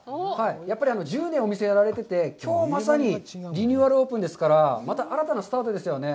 やっぱり、１０年、お店をやられてて、きょうまさにリニューアルオープンですから、また新たなスタートですよね。